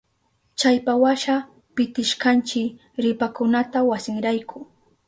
Chaypawasha pitishkanchi ripakunata wasinrayku.